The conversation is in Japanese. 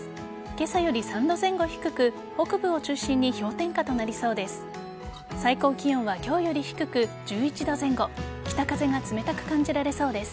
今朝より３度前後低く北部を中心に氷点下となりそうです。